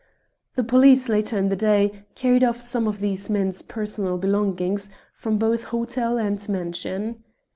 "The police, later in the day, carried off some of these men's personal belongings, from both hotel and mansion.